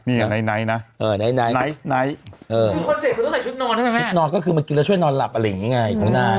ไนท์ไนท์่อนเด็ดใส่ชุดนอนก็คือมันกินแล้วช่วยนอนหลับอะไรงี้ไง